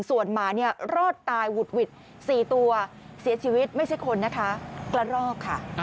ส่วนหมาเนี่ยรอดตายหวุดหวิด๔ตัวเสียชีวิตไม่ใช่คนนะคะกระรอกค่ะ